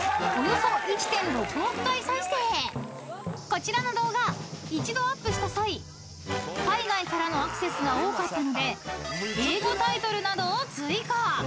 ［こちらの動画一度アップした際海外からのアクセスが多かったので英語タイトルなどを追加］